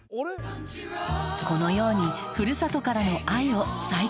このように。